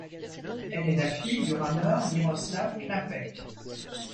Elle est la fille du rameur Miroslav Knapek.